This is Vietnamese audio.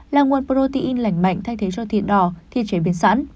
là nguồn protein lành mạnh thay thế cho thịt đỏ thi chế biến sẵn